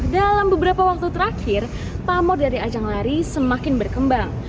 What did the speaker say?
dalam beberapa waktu terakhir pamor dari ajang lari semakin berkembang